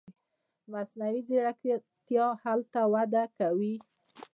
مصنوعي ځیرکتیا هلته وده کوي.